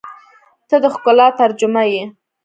• ته د ښکلا ترجمه یې.